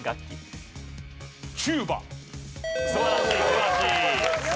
素晴らしい素晴らしい。